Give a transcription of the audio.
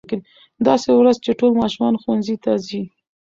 داسې ورځ چې ټول ماشومان ښوونځي ته ځي.